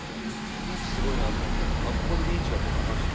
リーチすごいなと思ったのは、ここでリーチが止めました。